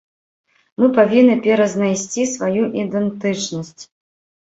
Мы павінны перазнайсці сваю ідэнтычнасць.